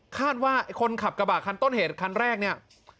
ว่าไอ้คนขับกระบะคันต้นเหตุคันแรกเนี่ย